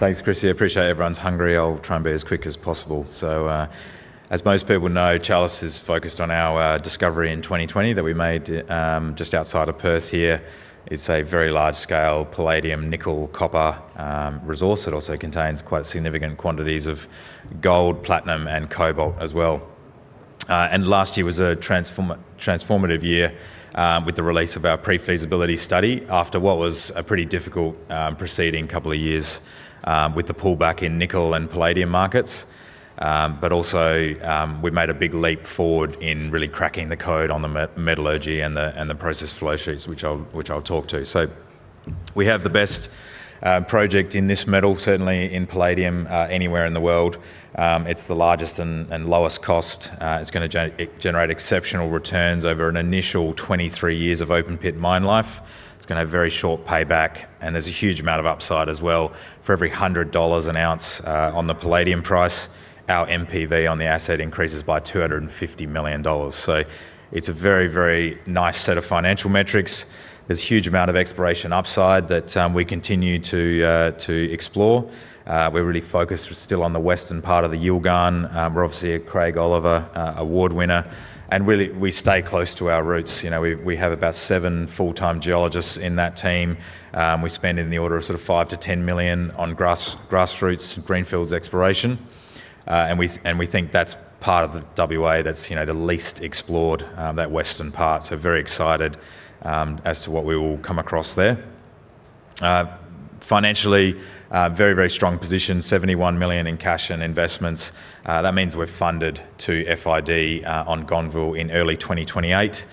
Thanks, Chrissy. I appreciate everyone's hungry. I'll try and be as quick as possible. So, as most people know, Chalice is focused on our discovery in 2020 that we made just outside of Perth here. It's a very large-scale palladium, nickel, copper resource. It also contains quite significant quantities of gold, platinum, and cobalt as well. And last year was a transformative year with the release of our pre-feasibility study after what was a pretty difficult preceding couple of years with the pullback in nickel and palladium markets. But also, we've made a big leap forward in really cracking the code on the metallurgy and the process flowsheets, which I'll talk to. So we have the best project in this metal, certainly in palladium, anywhere in the world. It's the largest and lowest cost. It's gonna generate exceptional returns over an initial 23 years of open-pit mine life. It's gonna have very short payback, and there's a huge amount of upside as well. For every $100 an ounce on the palladium price, our NPV on the asset increases by $250 million. So it's a very, very nice set of financial metrics. There's a huge amount of exploration upside that we continue to explore. We're really focused still on the western part of the Yilgarn. We're obviously a Craig Oliver Award winner, and really, we stay close to our roots. You know, we have about seven full-time geologists in that team. We're spending in the order of sort of $5 million-10 million on grassroots greenfields exploration, and we think that's part of the WA that's, you know, the least explored, that western part. So very excited as to what we will come across there. Financially, a very, very strong position, 71 million in cash and investments. That means we're funded to FID on Gonneville in early 2028.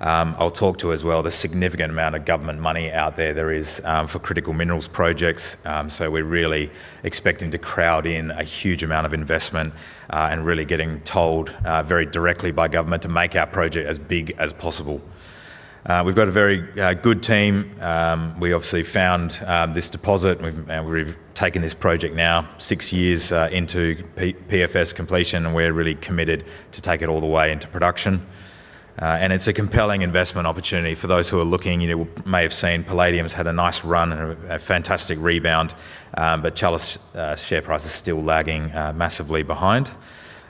I'll talk to as well the significant amount of government money out there there is for critical minerals projects. So we're really expecting to crowd in a huge amount of investment, and really getting told very directly by government to make our project as big as possible. We've got a very good team. We obviously found this deposit, and we've taken this project now six years into PFS completion, and we're really committed to take it all the way into production. And it's a compelling investment opportunity for those who are looking. You know, you may have seen palladium's had a nice run and a fantastic rebound, but Chalice share price is still lagging massively behind.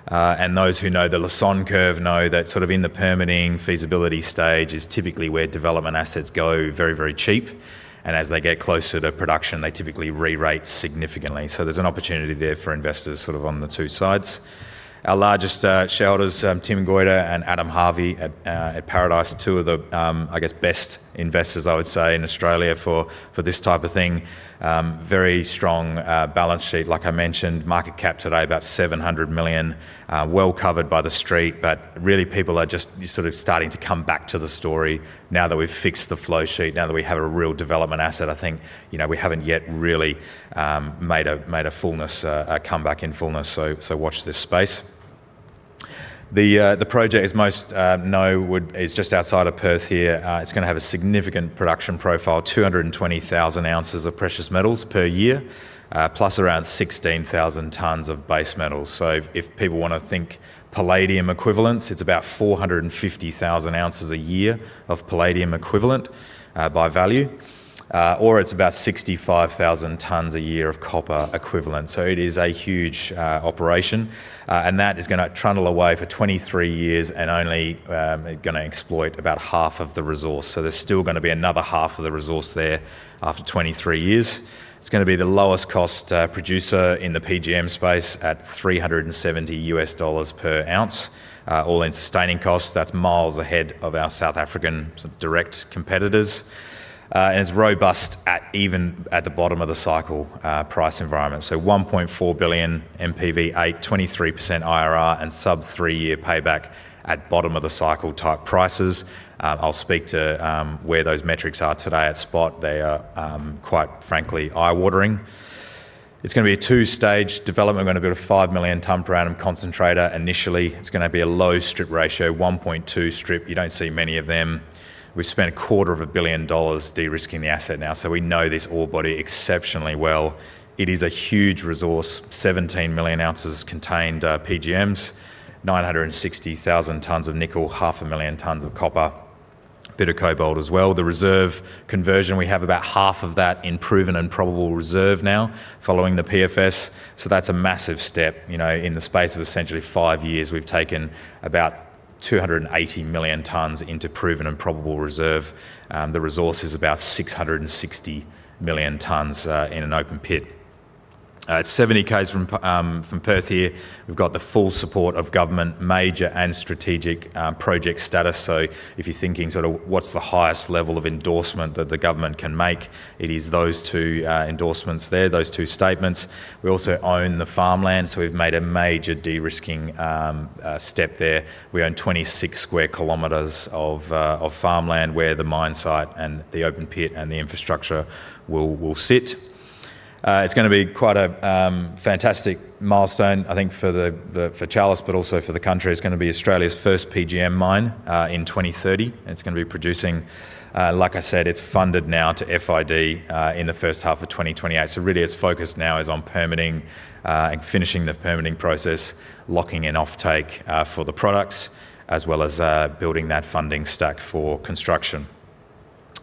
And those who know the Lassonde Curve know that sort of in the permitting feasibility stage is typically where development assets go very, very cheap, and as they get closer to production, they typically re-rate significantly. So there's an opportunity there for investors sort of on the two sides. Our largest shareholders, Tim Goyder and Adam Harvey at Paradice, two of the, I guess, best investors, I would say, in Australia for, for this type of thing. Very strong balance sheet. Like I mentioned, market cap today, about 700 million, well covered by the Street, but really, people are just sort of starting to come back to the story now that we've fixed the flowsheet, now that we have a real development asset. I think, you know, we haven't yet really made a full comeback. So watch this space. The project, as most know, is just outside of Perth here. It's gonna have a significant production profile, 220,000 oz of precious metals per year, plus around 16,000 tonnes of base metals. So if people wanna think palladium equivalents, it's about 450,000 oz a year of palladium equivalent, by value, or it's about 65,000 tonnes a year of copper equivalent. So it is a huge operation, and that is gonna trundle away for 23 years and only gonna exploit about half of the resource. So there's still gonna be another half of the resource there after 23 years. It's gonna be the lowest cost producer in the PGM space at $370 per ounce all-in sustaining cost. That's miles ahead of our South African sort of direct competitors, and it's robust at even at the bottom of the cycle, price environment. So 1.4 billion NPV, a 23% IRR, and sub-three-year payback at bottom of the cycle type prices. I'll speak to where those metrics are today at spot. They are quite frankly eye-watering. It's gonna be a two-stage development. We're gonna build a 5-million-tonne per annum concentrator. Initially, it's gonna be a low strip ratio, 1.2 strip. You don't see many of them. We've spent 250 million dollars de-risking the asset now, so we know this ore body exceptionally well. It is a huge resource, 17 million ounces contained PGMs, 960,000 tonnes of nickel, 500,000 tonnes of copper, a bit of cobalt as well. The reserve conversion, we have about half of that in proven and probable reserve now, following the PFS. So that's a massive step. You know, in the space of essentially five years, we've taken about 280 million tonnes into proven and probable reserve. The resource is about 660 million tonnes in an open pit. It's 70 km from Perth here. We've got the full support of government, major and strategic project status. So if you're thinking sort of, what's the highest level of endorsement that the government can make? It is those two endorsements there, those two statements. We also own the farmland, so we've made a major de-risking step there. We own 26 sq km of farmland, where the mine site and the open pit and the infrastructure will sit. It's gonna be quite a fantastic milestone, I think, for Chalice, but also for the country. It's gonna be Australia's first PGM mine in 2030. It's gonna be producing, like I said, it's funded now to FID in the first half of 2028. So really, its focus now is on permitting and finishing the permitting process, locking in offtake for the products, as well as building that funding stack for construction.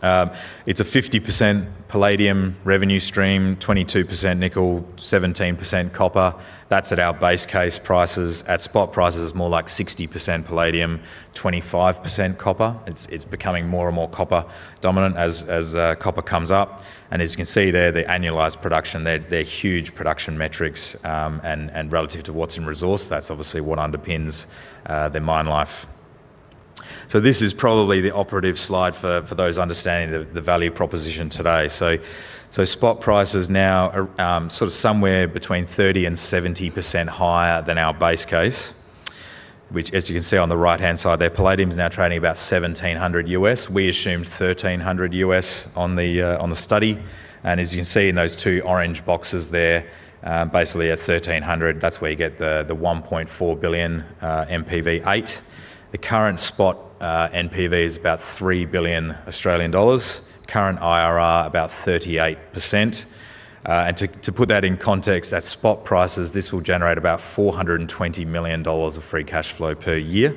It's a 50% palladium revenue stream, 22% nickel, 17% copper. That's at our base case prices. At spot prices, it's more like 60% palladium, 25% copper. It's becoming more and more copper-dominant as copper comes up. As you can see there, the annualized production, they're huge production metrics, and relative to what's in resource, that's obviously what underpins their mine life. This is probably the operative slide for those understanding the value proposition today. Spot prices now are sort of somewhere between 30%-70% higher than our base case, which as you can see on the right-hand side there, palladium is now trading about $1,700. We assumed $1,300 on the study, and as you can see in those two orange boxes there, basically at $1,300, that's where you get the 1.4 billion NPV8. The current spot NPV is about 3 billion Australian dollars. Current IRR, about 38%. And to put that in context, at spot prices, this will generate about $420 million of free cash flow per year.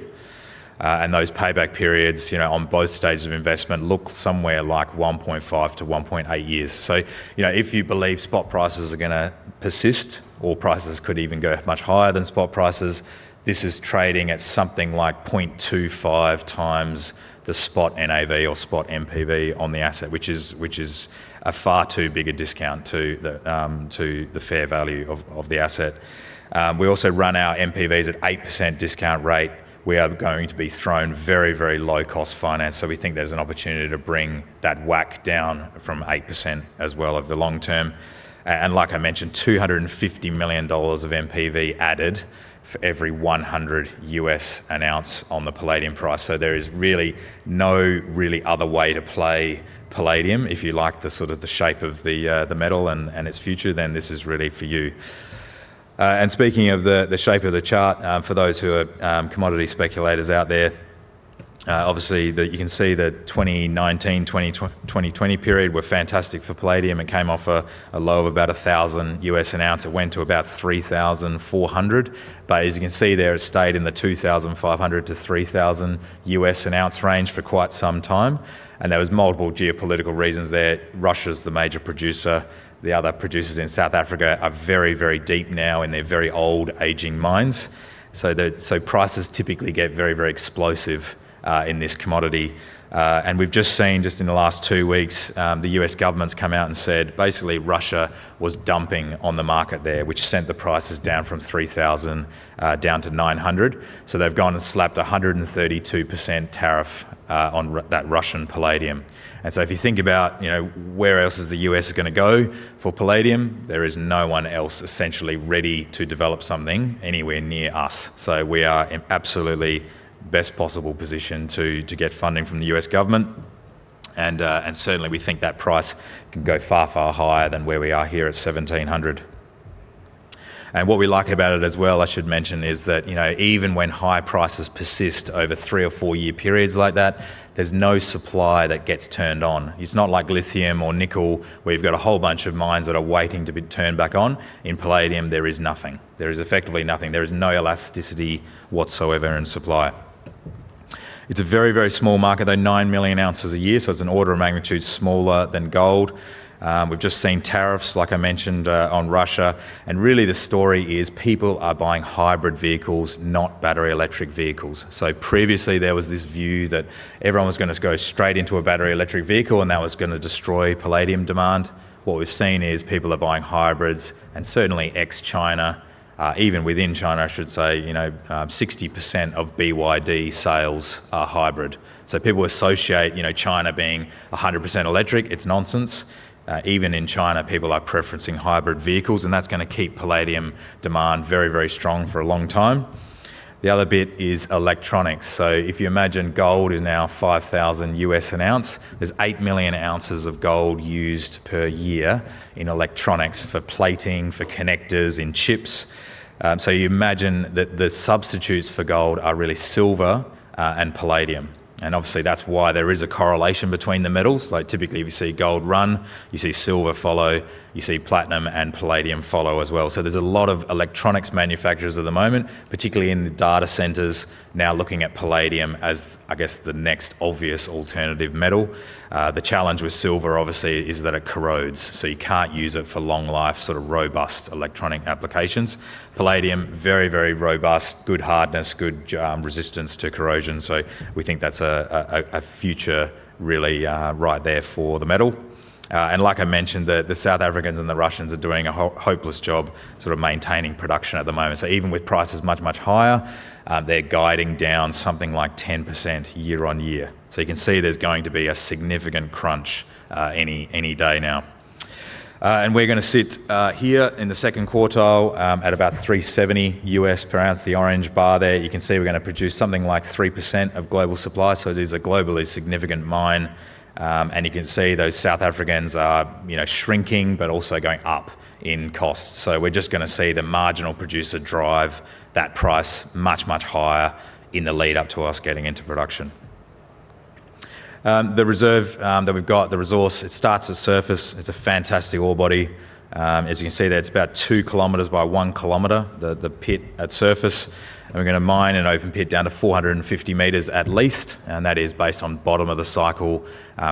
And those payback periods, you know, on both stages of investment look somewhere like 1.5-1.8 years. So, you know, if you believe spot prices are gonna persist or prices could even go much higher than spot prices, this is trading at something like 0.25 times the spot NAV or spot NPV on the asset, which is a far too big a discount to the fair value of the asset. We also run our NPVs at 8% discount rate. We are going to be thrown very, very low-cost finance, so we think there's an opportunity to bring that WACC down from 8% as well over the long term. And like I mentioned, $250 million of NPV added for every $100 an ounce on the palladium price. So there is really no really other way to play palladium. If you like the sort of the shape of the, the metal and, and its future, then this is really for you. And speaking of the, the shape of the chart, for those who are, commodity speculators out there, obviously, you can see that 2019, 2020 period were fantastic for palladium. It came off a, a low of about $1,000 an ounce. It went to about $3,400. But as you can see there, it stayed in the $2,500-$3,000 an ounce range for quite some time, and there was multiple geopolitical reasons there. Russia's the major producer. The other producers in South Africa are very, very deep now in their very old aging mines. So prices typically get very, very explosive in this commodity. And we've just seen, just in the last two weeks, the U.S. government's come out and said, basically, Russia was dumping on the market there, which sent the prices down from $3,000 down to $900. So they've gone and slapped a 132% tariff on that Russian palladium. And so if you think about, you know, where else is the U.S. gonna go for palladium, there is no one else essentially ready to develop something anywhere near us. So we are in absolutely best possible position to get funding from the U.S. government, and certainly, we think that price can go far, far higher than where we are here at $1,700. And what we like about it as well, I should mention, is that, you know, even when high prices persist over three- or four-year periods like that, there's no supply that gets turned on. It's not like lithium or nickel, where you've got a whole bunch of mines that are waiting to be turned back on. In palladium, there is nothing. There is effectively nothing. There is no elasticity whatsoever in supply. It's a very, very small market, though, 9 million ounces a year, so it's an order of magnitude smaller than gold. We've just seen tariffs, like I mentioned, on Russia, and really the story is people are buying hybrid vehicles, not battery electric vehicles. So previously, there was this view that everyone was gonna go straight into a battery electric vehicle, and that was gonna destroy palladium demand. What we've seen is people are buying hybrids, and certainly ex-China, even within China, I should say, you know, 60% of BYD sales are hybrid. So people associate, you know, China being 100% electric, it's nonsense. Even in China, people are preferencing hybrid vehicles, and that's gonna keep palladium demand very, very strong for a long time. The other bit is electronics. So if you imagine gold is now $5,000 an ounce, there's 8 million ounces of gold used per year in electronics for plating, for connectors in chips. So you imagine that the substitutes for gold are really silver, and palladium, and obviously, that's why there is a correlation between the metals. Like, typically, if you see gold run, you see silver follow, you see platinum and palladium follow as well. So there's a lot of electronics manufacturers at the moment, particularly in the data centers, now looking at palladium as, I guess, the next obvious alternative metal. The challenge with silver, obviously, is that it corrodes, so you can't use it for long-life, sort of robust electronic applications. Palladium, very, very robust, good hardness, good resistance to corrosion, so we think that's a future really, right there for the metal. And like I mentioned, the South Africans and the Russians are doing a hopeless job sort of maintaining production at the moment. So even with prices much, much higher, they're guiding down something like 10% year-on-year. So you can see there's going to be a significant crunch, any day now. And we're gonna sit here in the second quartile, at about $370 per ounce, the orange bar there. You can see we're gonna produce something like 3% of global supply, so it is a globally significant mine. And you can see those South Africans are, you know, shrinking, but also going up in cost. So we're just gonna see the marginal producer drive that price much, much higher in the lead up to us getting into production. The reserve that we've got, the resource, it starts at surface. It's a fantastic ore body. As you can see there, it's about 2 km by 1 km, the pit at surface, and we're gonna mine an open pit down to 450 m at least, and that is based on bottom of the cycle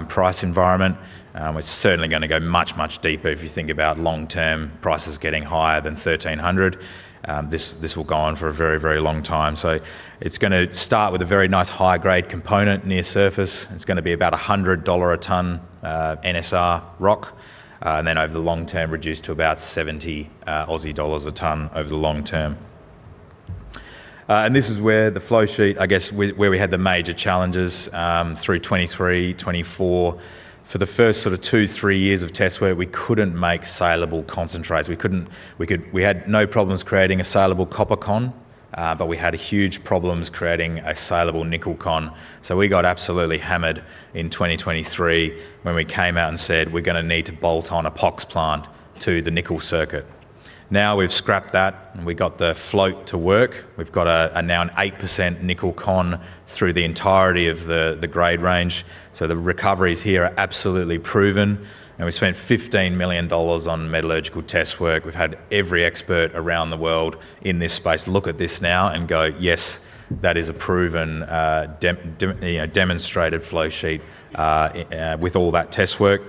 price environment. We're certainly gonna go much, much deeper if you think about long-term prices getting higher than $1,300. This will go on for a very, very long time. So it's gonna start with a very nice high-grade component near surface. It's gonna be about 100 dollar a tonne NSR rock, and then over the long term, reduced to about 70 Aussie dollars a tonne over the long term. This is where the flowsheet, I guess, where we had the major challenges through 2023-2024. For the first sort of two to three years of test where we couldn't make saleable concentrates. We had no problems creating a saleable copper con, but we had huge problems creating a saleable nickel con. So we got absolutely hammered in 2023 when we came out and said: "We're gonna need to bolt on a POX plant to the nickel circuit." Now, we've scrapped that, and we got the float to work. We've got now an 8% nickel con through the entirety of the grade range, so the recoveries here are absolutely proven, and we spent 15 million dollars on metallurgical test work. We've had every expert around the world in this space look at this now and go, "Yes, that is a proven, demonstrated flowsheet, with all that test work."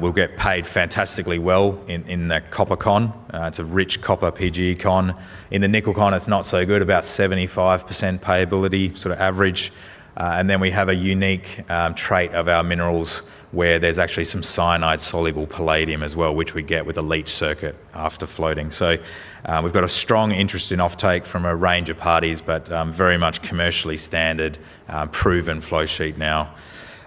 We'll get paid fantastically well in the copper con. It's a rich copper PG con. In the nickel con, it's not so good, about 75% payability, sort of average. And then we have a unique trait of our minerals, where there's actually some cyanide-soluble palladium as well, which we get with a leach circuit after floating. So, we've got a strong interest in offtake from a range of parties, but very much commercially standard, proven flowsheet now,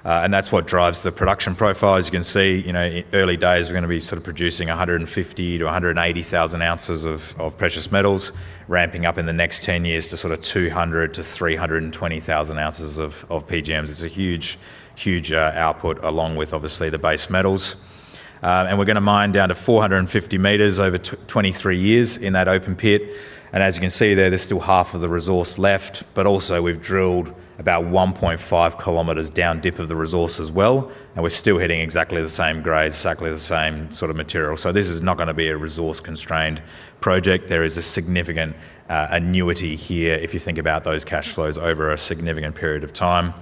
and that's what drives the production profile. As you can see, you know, early days, we're gonna be sort of producing 150,000 oz-180,000 oz of precious metals, ramping up in the next 10 years to sort of 200,000 oz-320,000 oz of PGMs. It's a huge, huge output, along with, obviously, the base metals. And we're gonna mine down to 450 m over 23 years in that open pit, and as you can see there, there's still half of the resource left, but also, we've drilled about 1.5 km down dip of the resource as well, and we're still hitting exactly the same grade, exactly the same sort of material. So this is not gonna be a resource-constrained project. There is a significant annuity here if you think about those cash flows over a significant period of time.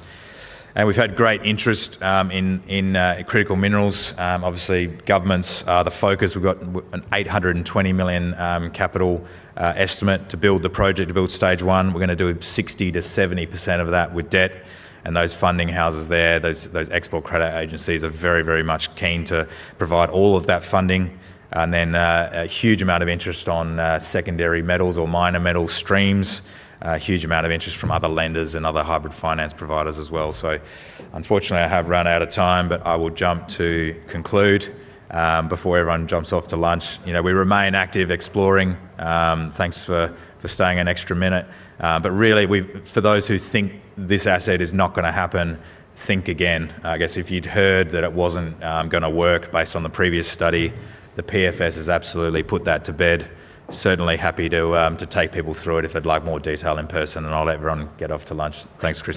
We've had great interest in critical minerals. Obviously, governments are the focus. We've got an 820 million capital estimate to build the project, to build Stage 1. We're gonna do 60%-70% of that with debt, and those funding houses there, those export credit agencies are very, very much keen to provide all of that funding. Then, a huge amount of interest on secondary metals or minor metal streams. A huge amount of interest from other lenders and other hybrid finance providers as well. Unfortunately, I have run out of time, but I will jump to conclude before everyone jumps off to lunch. You know, we remain active exploring. Thanks for staying an extra minute, but really, we've for those who think this asset is not gonna happen, think again. I guess if you'd heard that it wasn't gonna work based on the previous study, the PFS has absolutely put that to bed. Certainly happy to take people through it if they'd like more detail in person, and I'll let everyone get off to lunch. Thanks, Chris.